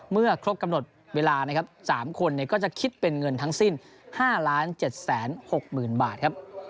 เมื่อครบกำหนดเวลานะครับ๓คนก็จะคิดเป็นเงินทั้งสิ้น๕๗๖๐๐๐บาทครับ